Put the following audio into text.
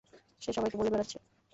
সে সবাইকে বলে বেড়াচ্ছে।